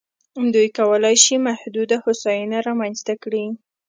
دوی کولای شي محدوده هوساینه رامنځته کړي.